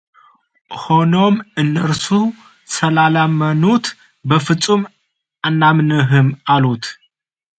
ሆኖም እነርሱ ስላላመኑት በፍፁም አናምንህም አሉት፡፡